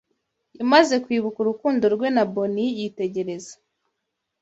Yamaze kwibuka urukundo rwe na Boni yitegereza